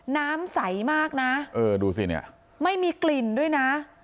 น้ำใสมากนะไม่มีกลิ่นด้วยนะ